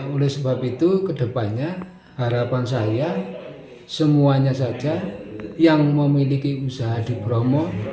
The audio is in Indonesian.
oleh sebab itu kedepannya harapan saya semuanya saja yang memiliki usaha di bromo